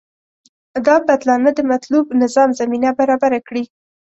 دا بدلانه د مطلوب نظام زمینه برابره کړي.